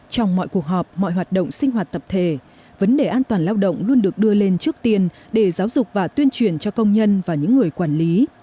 trong mọi cuộc họp mọi hoạt động sinh hoạt tập thể vấn đề an toàn lao động luôn được đưa lên trước tiên để giáo dục và tuyên truyền cho công nhân và những người quản lý